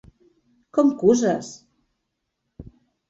Com cuses?